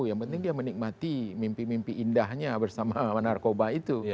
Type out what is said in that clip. yang penting dia menikmati mimpi mimpi indahnya bersama narkoba itu